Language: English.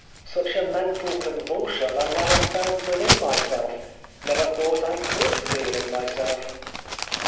Such a mental convulsion I never felt within my self, never thought I could feel in myself."